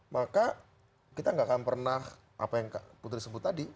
maka kita gak akan pernah apa yang putri sebut tadi